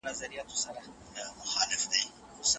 انجمنونه یو کوچنی ټولنیز واحد ګڼل کیږي.